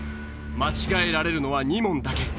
間違えられるのは２問だけ。